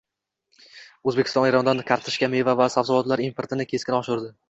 O‘zbekiston Erondan kartoshka, meva va sabzavotlar importini keskin oshirdi